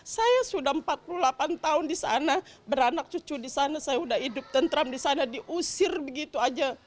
saya sudah empat puluh delapan tahun di sana beranak cucu di sana saya sudah hidup tentram di sana diusir begitu aja